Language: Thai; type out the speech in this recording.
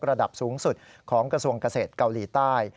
ระดับสูงสุดของกระทรวงเกษตรเกาหลีใต้